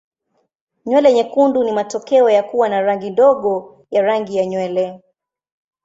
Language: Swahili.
Nywele nyekundu ni matokeo ya kuwa na rangi ndogo ya rangi ya nywele.